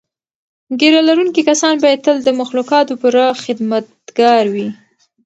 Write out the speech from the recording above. ږیره لرونکي کسان باید تل د مخلوقاتو پوره خدمتګار وي.